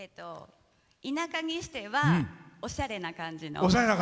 田舎にしてはおしゃれな感じの。